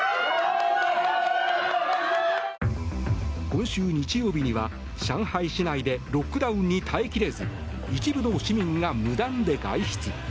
今週日曜日には、上海市内でロックダウンに耐え切れず一部の市民が無断で外出。